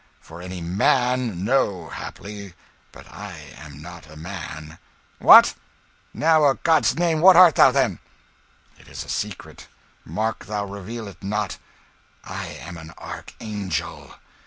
"For any man no; haply not. But I am not a man." "What! Now o' God's name what art thou, then?" "It is a secret mark thou reveal it not. I am an archangel!"